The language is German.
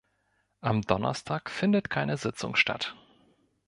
Am Donnerstag findet keine Sitzung statt.